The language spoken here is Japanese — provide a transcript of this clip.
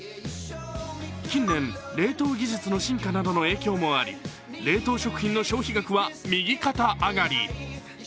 近年、冷凍技術の進化などの影響もあり冷凍食品の消費額は右肩上がり。